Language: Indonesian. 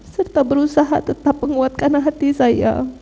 serta berusaha tetap menguatkan hati saya